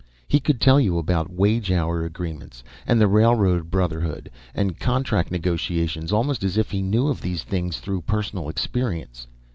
He could tell you about wage hour agreements and the Railroad Brotherhood and contract negotiations almost as if he knew of these things through personal experience.